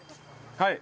はい。